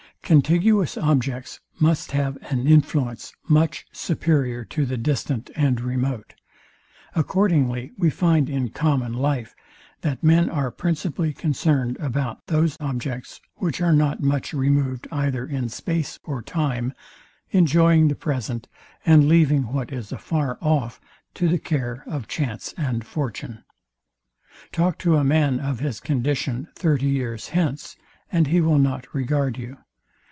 Contiguous objects must have an influence much superior to the distant and remote. Accordingly we find in common life, that men are principally concerned about those objects, which are not much removed either in space or time, enjoying the present, and leaving what is afar off to the care of chance and fortune. Talk to a man of his condition thirty years hence, and he will not regard you.